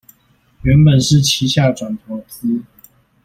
原本是旗下轉投資